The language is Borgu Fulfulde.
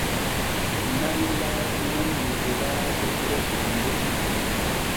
Nari laati nun yeeraajo gure bonbo.